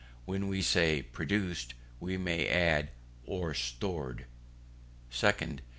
When we say produced, we may add, or stored. 2nd.